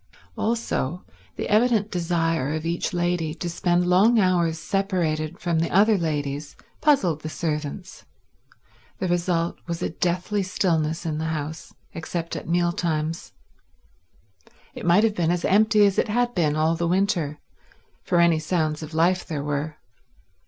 Also the evident desire of each lady to spend long hours separated from the other ladies puzzled the servants. The result was a deathly stillness in the house, except at meal times. It might have been as empty as it had been all the winter, for any sounds of life there were.